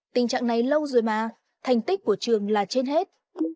tình trạng này lâu rồi mà thành tích của trường là trên hết